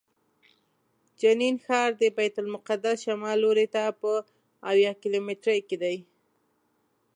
جنین ښار د بیت المقدس شمال لوري ته په اویا کیلومترۍ کې دی.